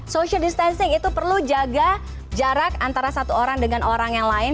social distancing itu perlu jaga jarak antara satu orang dengan orang yang lain